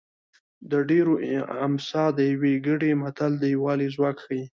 د ډېرو امسا د یوه ګېډۍ متل د یووالي ځواک ښيي